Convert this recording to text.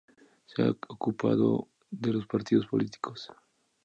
Se ha ocupado de los partidos políticos.